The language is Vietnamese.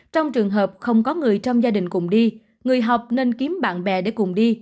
trong trường hợp không có người trong gia đình cùng đi người học nên kiếm bạn bè để cùng đi